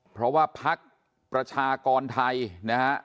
เพราะว่าพักประชากรไทยนะฮะ